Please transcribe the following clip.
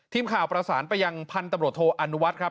ทีมข่าวประสานไปยังพันธุ์ตำรวจโทอนุวัฒน์ครับ